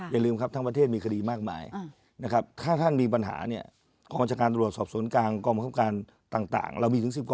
อย่าลืมครับทั้งประเทศมีคดีมากมายนะครับ